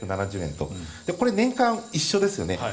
これ、年間一緒ですよね。